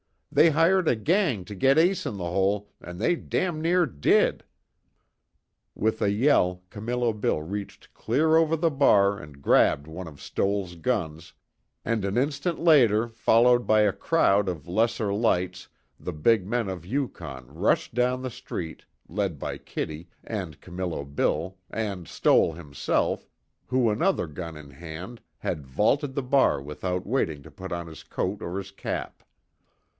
They hired a gang to get Ace In The Hole, and they damn near did!" With a yell Camillo Bill reached clear over the bar and grabbed one of Stoell's guns, and an instant later followed by a crowd of lesser lights the big men of the Yukon rushed down the street, led by Kitty, and Camillo Bill, and Stoell, himself, who another gun in hand, had vaulted the bar without waiting to put on his coat or his cap.